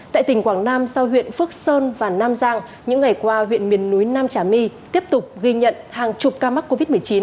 tại tỉnh quảng nam sau huyện phước sơn và nam giang những ngày qua huyện miền núi nam trà my tiếp tục ghi nhận hàng chục ca mắc covid một mươi chín